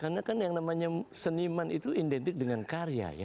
karena kan yang namanya seniman itu identik dengan karya ya